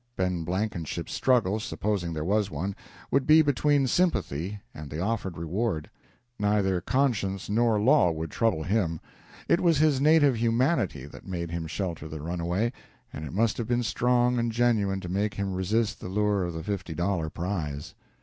Ben Blankenship's struggle, supposing there was one, would be between sympathy and the offered reward. Neither conscience nor law would trouble him. It was his native humanity that made him shelter the runaway, and it must have been strong and genuine to make him resist the lure of the fifty dollar prize.